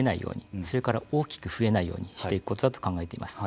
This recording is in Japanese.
それから大きく増えないようにしていくことだと考えています。